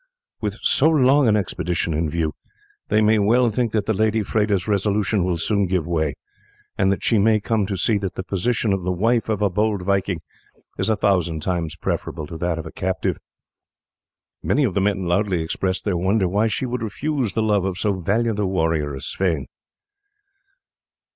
With so long an expedition in view, they may well think that the Lady Freda's resolution will soon give way, and that she may come to see that the position of the wife of a bold viking is a thousand times preferable to that of a captive. Many of the men loudly express their wonder why she would refuse the love of so valiant a warrior as Sweyn."